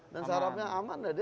dan sarafnya aman